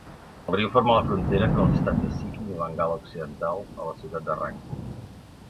El riu forma la frontera entre els estats de Sikkim i Bengala Occidental a la ciutat de Rangpo.